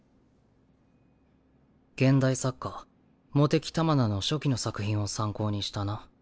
現代作家茂木たまなの初期の作品を参考にしたな。